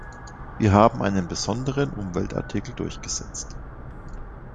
Wir haben einen besonderen Umweltartikel durchgesetzt.